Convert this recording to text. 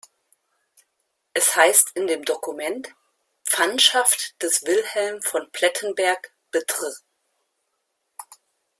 Es heißt in dem Dokument: „"Pfandschaft des Wilhelm von Plettenberg betr.